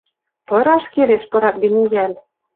Пыраш келеш, пырат гӹньӹ йӓл...»